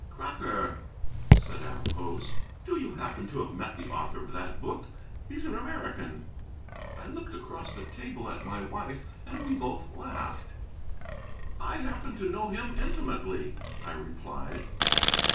"Crocker," said our host, "do you happen to have met the author of that book? He's an American." I looked across the table at my wife, and we both laughed. "I happen to know him intimately," I replied.